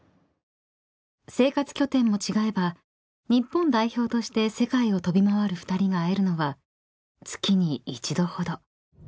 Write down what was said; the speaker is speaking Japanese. ［生活拠点も違えば日本代表として世界を飛び回る２人が会えるのは月に１度ほど］